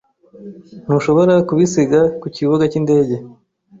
Ntushobora kubisiga ku kibuga cyindege.